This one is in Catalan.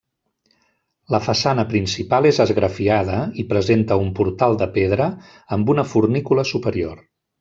La façana principal és esgrafiada i presenta un portal de pedra amb una fornícula superior.